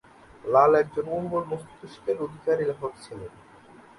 লাল একজন উর্বর মস্তিষ্কের অধিকারী লেখক ছিলেন।